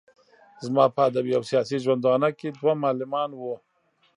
زما په ادبي او سياسي ژوندانه کې دوه معلمان وو.